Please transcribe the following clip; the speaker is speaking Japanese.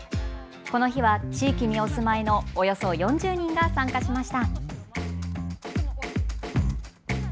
この日は地域にお住まいのおよそ４０人が参加しました。